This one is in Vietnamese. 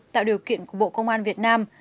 tạo điều kiện của bộ công an việt nam